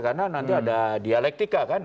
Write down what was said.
karena nanti ada dialektika kan